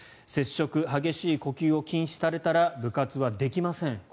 接触、激しい呼吸を禁止されたら部活はできません